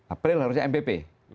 april harusnya mpp